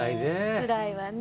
つらいわね。